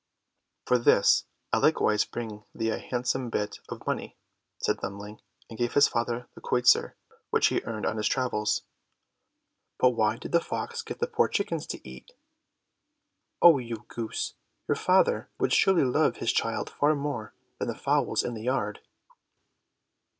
"For this I likewise bring thee a handsome bit of money," said Thumbling, and gave his father the kreuzer which he earned on his travels. "But why did the fox get the poor chickens to eat?" "Oh, you goose, your father would surely love his child far more than the fowls in the yard!"